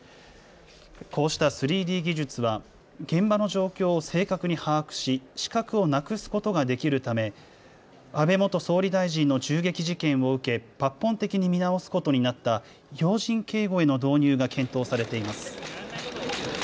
こうした３Ｄ技術は現場の状況を正確に把握し死角をなくすことができるため安倍元総理大臣の銃撃事件を受け抜本的に見直すことになった要人警護への導入が検討されています。